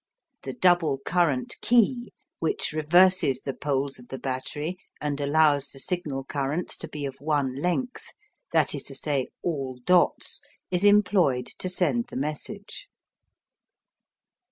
The double current key, which reverses the poles of the battery and allows the signal currents to be of one length, that is to say, all "dots," is employed to send the message.